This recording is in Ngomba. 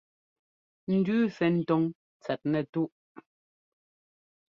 Ndʉʉ sɛ́ ńtɔ́ŋ tsɛt nɛtúꞌ.